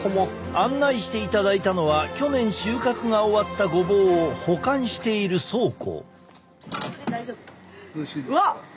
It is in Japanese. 案内していただいたのは去年収穫が終わったごぼうを保管している倉庫。